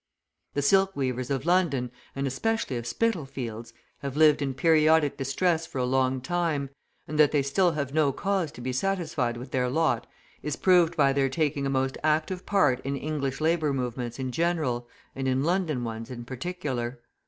The silk weavers of London, and especially of Spitalfields, have lived in periodic distress for a long time, and that they still have no cause to be satisfied with their lot is proved by their taking a most active part in English labour movements in general, and in London ones in particular.